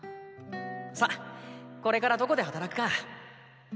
さこれからどこで働くか！